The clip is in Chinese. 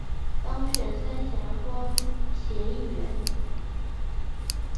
当选三峡庄协议员